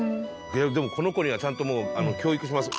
でもこの子にはちゃんともう教育します。